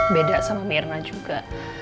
beda sama mirna juga